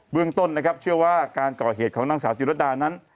เรื่องต้นนะครับเชื่อว่าการก่อเหตุของนางสาวจิรดานั้น